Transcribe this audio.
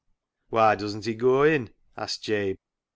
" Why doesn't he goa in ?" asked Jabe.